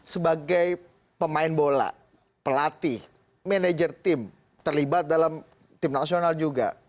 sebagai pemain bola pelatih manajer tim terlibat dalam tim nasional juga